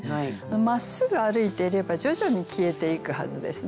まっすぐ歩いていれば徐々に消えていくはずですね